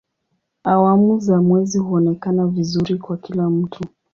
Awamu za mwezi huonekana vizuri kwa kila mtu.